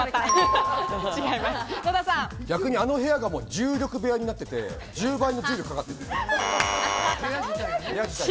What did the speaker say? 逆に、あの部屋が重力部屋になってて、１０倍の重力がかかってる。